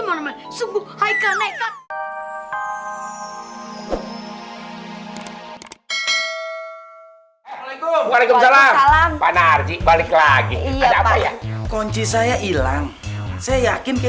hai assalamualaikum waalaikumsalam panarji balik lagi ada apa ya kunci saya hilang saya yakin ke